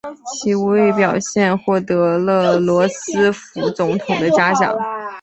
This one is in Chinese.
其无畏表现获得了罗斯福总统的嘉奖。